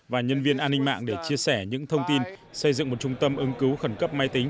và nhân viên an ninh mạng để chia sẻ những thông tin xây dựng một trung tâm ứng cứu khẩn cấp máy tính